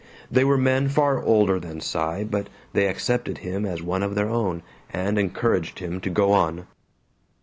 They were men far older than Cy but they accepted him as one of their own, and encouraged him to go on.